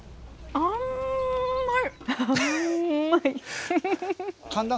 あんまい。